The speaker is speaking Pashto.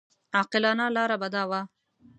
عاقلانه لاره به دا وه.